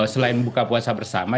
selain buka puasa bersama